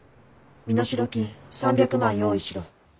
身代金３００万用意しろ。